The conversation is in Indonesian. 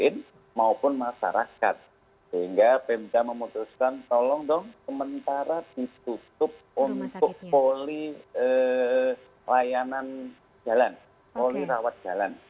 temda memutuskan tolong dong sementara ditutup untuk poli rawat jalan